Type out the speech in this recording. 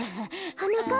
はなかっ